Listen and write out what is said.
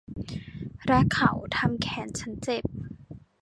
และเขาทำแขนฉันเจ็บ